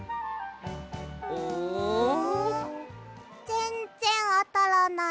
ぜんぜんあたらない。